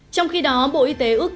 trong khi đó bộ y tế ước đề